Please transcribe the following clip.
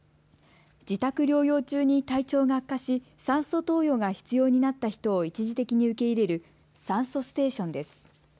自宅療養中に体調が悪化し、酸素投与が必要になった人を一時的に受け入れる酸素ステーションです。